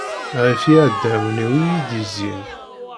Ɣef yiɛdawen-iw i yi-d-izzin.